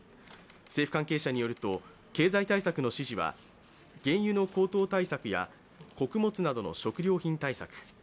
政府関係者によると、経済対策の指示は原油の高騰対策や穀物などの食料品対策